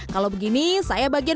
kalau begini saya bagian